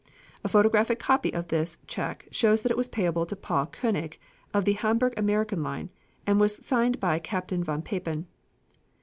A photographic copy of this check shows that it was payable to Paul Koenig, of the Hamburg American Line, and was signed by Captain von Papen.